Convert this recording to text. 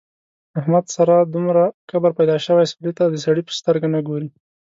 احمد سره دومره کبر پیدا شوی سړي ته د سړي په سترګه نه ګوري.